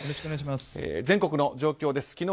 全国の状況です。